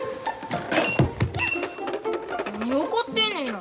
何怒ってんねんな。